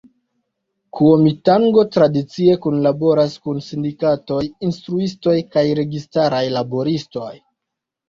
Kuomintango tradicie kunlaboras kun sindikatoj, instruistoj kaj registaraj laboristoj.